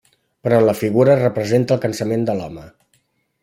Però en la figura es representa el cansament de l'home.